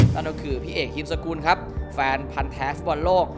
นั่นก็คือพี่เอกฮิมสกุลครับแฟนพันธ์แท้ฟุตบอลโลก